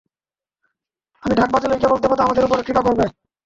ঢাকি ঢাক বাজালেই কেবল দেবতা আমাদের উপর কৃপা করবে।